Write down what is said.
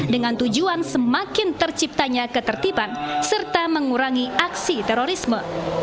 dengan tujuan semakin terciptanya ketertiban serta mengurangi aksi terorisme